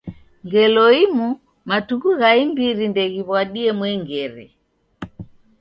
Ngelo imu matuku gha imbiri ndeghiw'adie mwengere.